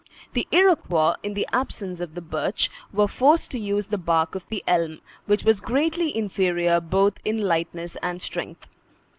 The Iroquois, in the absence of the birch, were forced to use the bark of the elm, which was greatly inferior both in lightness and strength.